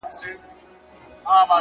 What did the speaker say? نظم د اوږدو موخو ساتونکی دی.